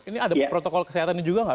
ini ada protokol kesehatannya juga nggak